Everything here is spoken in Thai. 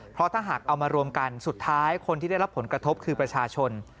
เพราะถ้าหากเอามารวมกันสุดท้ายคนที่ได้รับผลกระทบคือประชาชน